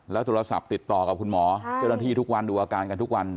โทรศัพท์ติดต่อกับคุณหมอเจ้าหน้าที่ทุกวันดูอาการกันทุกวัน